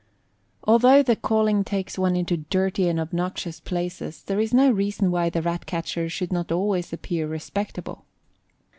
Although the calling takes one into dirty and obnoxious places, there is no reason why the Rat catcher should not always appear respectable.